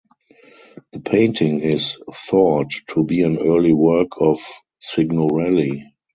The painting is thought to be an early work of Signorelli.